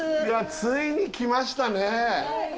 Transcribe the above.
ついに来ましたね。